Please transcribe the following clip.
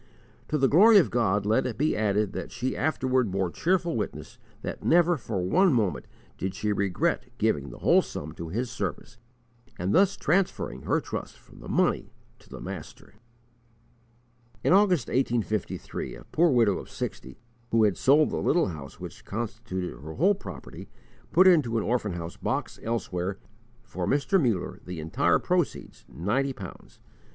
To the glory of God let it be added that she afterward bore cheerful witness that never for one moment did she regret giving the whole sum to His service, and thus transferring her trust from the money to the Master. * Narrative, I. 487 et seq. In August, 1853, a poor widow of sixty, who had sold the little house which constituted her whole property, put into an orphan house box elsewhere, for Mr. Muller, the entire proceeds, ninety pounds.